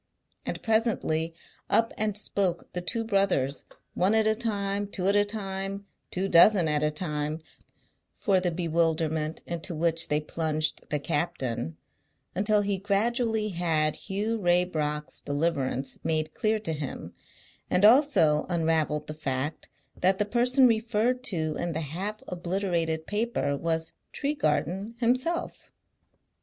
And presently up and spoke the two brothers, one at a time, two at a time, two dozen at a time for the bewilderment into which they plunged the captain, until he gradually had Hugh Raybrock's deliverance made clear to him, and also unravelled the fact that the person referred to in the half obliterated paper was Tregarthen himself.